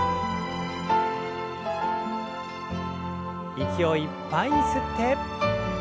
息をいっぱいに吸って。